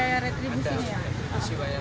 ada retribusi bayarnya